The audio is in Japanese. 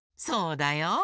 そうだよ。